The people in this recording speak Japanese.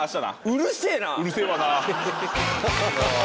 うるせえわな。